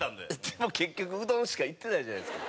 でも結局うどんしか行ってないじゃないですか。